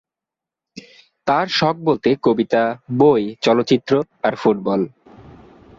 তার শখ বলতে কবিতা, বই, মুভিজ আর ফুটবল।